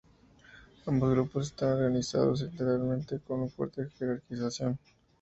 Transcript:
Ambos grupos están organizados internamente con una fuerte jerarquización.